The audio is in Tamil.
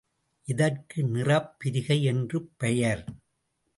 இதற்கு நிறப் பிரிகை என்று பெயர்.